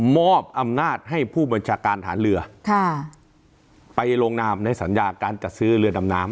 มอบอำนาจให้ผู้บัญชาการฐานเรือค่ะไปลงนามในสัญญาการจัดซื้อเรือดำน้ำ